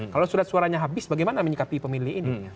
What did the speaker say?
kalau surat suaranya habis bagaimana menyikapi pemilih ini